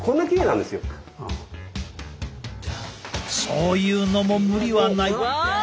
そう言うのも無理はない。